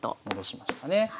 戻しましたね。